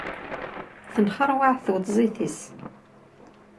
Tenxeṛwaɛ tweṭzit-is.